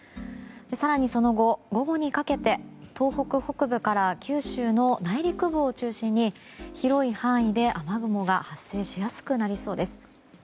更に、その後午後にかけて東北北部から九州の内陸部を中心に広い範囲で雨雲が発生しやすくなりそうです。